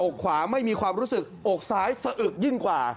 ขวาไม่มีความรู้สึกอกซ้ายสะอึกยิ่งกว่า